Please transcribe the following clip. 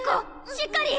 しっかり！